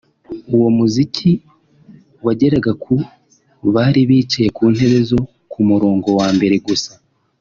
uwo muziki wageraga ku bari bicaye ku ntebe zo ku murongo wa mbere gusa